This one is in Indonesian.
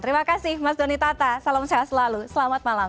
terima kasih mas doni tata salam sehat selalu selamat malam